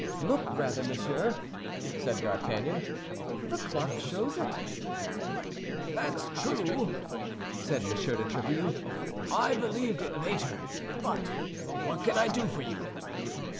"Look, rather, monsieur," said D'Artagnan, "the clock shows it." "That's true," said M. de Tréville; "I believed it later. But what can I do for you?"